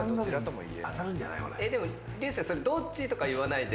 でも流星それどっちとか言わないで。